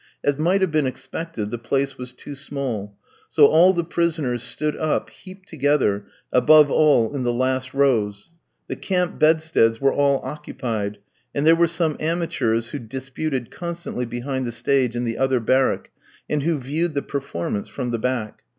As might have been expected, the place was too small; so all the prisoners stood up, heaped together above all in the last rows. The camp bedsteads were all occupied; and there were some amateurs who disputed constantly behind the stage in the other barrack, and who viewed the performance from the back.